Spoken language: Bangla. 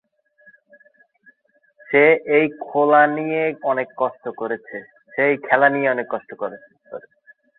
সে এই খেলা নিয়ে অনেক কষ্ট করেছে।